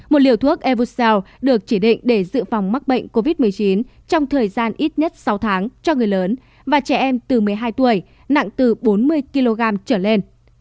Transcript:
một liều thuốc evosel được chỉ định để dự phòng mắc bệnh covid một mươi chín trong thời gian ít nhất sáu tháng cho người lớn và trẻ em từ một mươi hai tuổi nặng từ bốn mươi kg trở lên